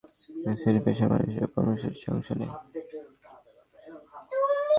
শ্রমিক, শিক্ষার্থী থেকে শুরু করে বিভিন্ন শ্রেণি-পেশার মানুষ এসব কর্মসূচিতে অংশ নেন।